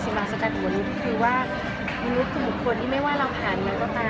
จังห่างผ่านอยากก็ตาม